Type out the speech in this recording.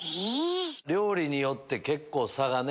料理によって結構差がね。